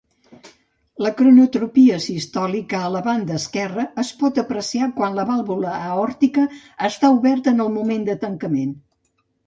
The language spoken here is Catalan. La cronotropia sistòlica a la banda esquerra es pot apreciar quan la vàlvula aòrtica està oberta en el moment de tancament.